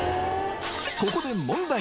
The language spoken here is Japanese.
ここで問題